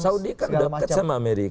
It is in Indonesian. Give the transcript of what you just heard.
saudi kan dekat sama amerika